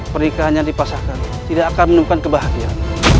pernikahan yang dipasahkan tidak akan menemukan kebahagiaan